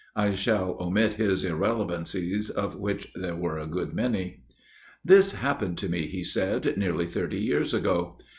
(I shall omit his irrelevancies, of which there were a good many.) " This happened to me," he said, " nearly thirty years ago.